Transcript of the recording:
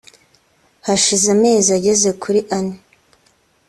Hashize amezi ageze kuri ane